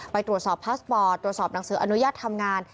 ไปตรวจสอบพาสปอร์ตตรวจสอบหนังสืออนุญาตทำงาน